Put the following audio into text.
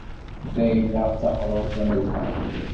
Layla d taqṛuṛt tamelḥant.